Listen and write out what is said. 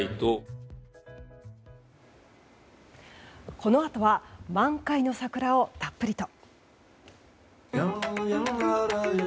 このあとは満開の桜をたっぷりと。